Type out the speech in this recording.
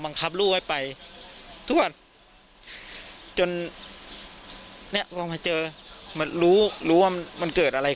ครับลูกไว้ไปทุกวันจนเนี่ยพอมาเจอมันรู้รู้ว่ามันเกิดอะไรขึ้น